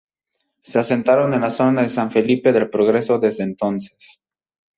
Se asentaron en la zona de San Felipe del Progreso desde entonces.